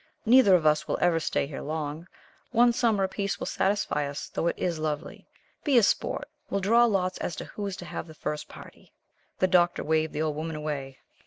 Neither of us will ever stay here long. One summer apiece will satisfy us, though it is lovely. Be a sport. We'll draw lots as to who is to have the first party." The Doctor waved the old woman away.